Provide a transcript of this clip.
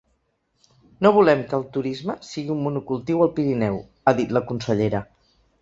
No volem que el turisme sigui un monocultiu al Pirineu, ha dit la consellera.